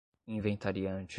inventariante